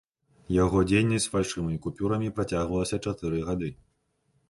Яго дзейнасць з фальшывымі купюрамі працягвалася чатыры гады.